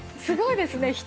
すごいですね！